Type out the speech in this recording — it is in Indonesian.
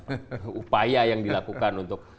upaya yang dilakukan untuk